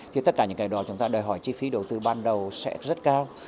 thì tất cả những cái đó chúng ta đòi hỏi chi phí đầu tư ban đầu sẽ rất cao